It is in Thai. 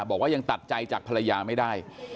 บอกว่ายังตัดใจจากภรรยาไม่ได้